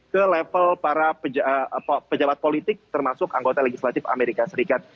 ke level para pejabat politik termasuk anggota legislatif amerika serikat